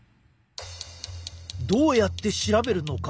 どうやって調べるのか？